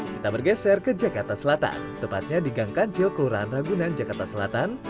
kita bergeser ke jakarta selatan tepatnya di gang kancil kelurahan ragunan jakarta selatan